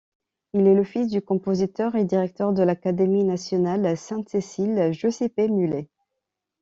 Il est le fils du compositeur et directeur de l'Académie nationale Sainte-Cécile, Giuseppe Mulè.